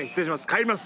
帰ります！